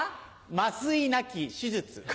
麻酔なき手術。